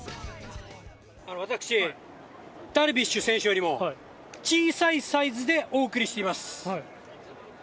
私、ダルビッシュ選手よりも小さいサイズでお送りしています。